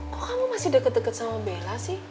oh kamu masih deket deket sama bella sih